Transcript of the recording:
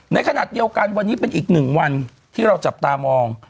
ในขณะเดียวกันวันนี้เป็นอีกหนึ่งวันที่เราจับตามอง